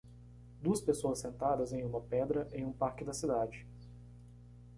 Duas pessoas sentadas em uma pedra em um parque da cidade.